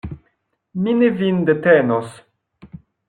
Mi ne vin detenos.